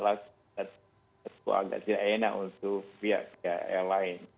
itu agak tidak enak untuk pihak pihak lain